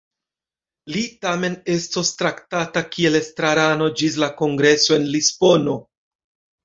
Li tamen estos traktata kiel estrarano ĝis la kongreso en Lisbono.